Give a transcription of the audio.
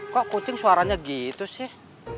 kok kucing suaranya gitu sih